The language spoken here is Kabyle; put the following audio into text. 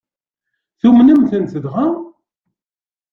Tumnem-tent dɣa?